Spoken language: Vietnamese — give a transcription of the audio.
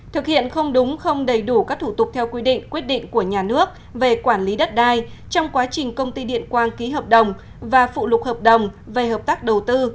thực hiện không đúng không đầy đủ các thủ tục theo quy định quyết định của nhà nước về quản lý đất đai trong quá trình công ty điện quang ký hợp đồng và phụ lục hợp đồng về hợp tác đầu tư